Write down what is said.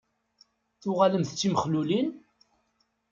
Tuɣalemt d timexlulin?